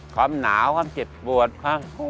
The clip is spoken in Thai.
ความหนาวความเจ็บปวด